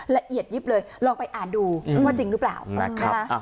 ละเอียดยิบเลยลองไปอ่านดูว่าจริงหรือเปล่านะคะ